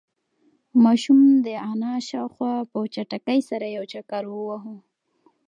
ماشوم د انا شاوخوا په چټکۍ سره یو چکر وواهه.